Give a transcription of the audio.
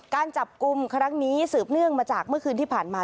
การจับกลุ่มครั้งนี้สืบเนื่องมาจากเมื่อคืนที่ผ่านมา